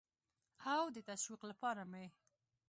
او د تشویق لپاره مې